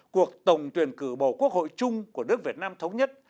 cuộc tổng tuyển cử bầu quốc hội chung của nước việt nam thống nhất